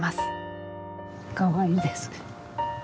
かわいいです。